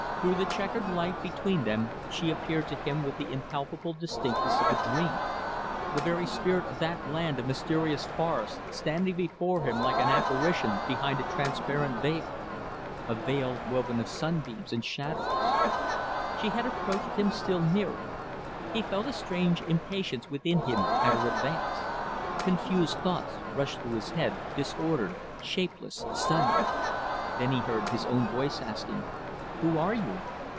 Through the checkered light between them she appeared to him with the impalpable distinctness of a dream. The very spirit of that land of mysterious forests, standing before him like an apparition behind a transparent veil a veil woven of sunbeams and shadows. She had approached him still nearer. He felt a strange impatience within him at her advance. Confused thoughts rushed through his head, disordered, shapeless, stunning. Then he heard his own voice asking "Who are you?"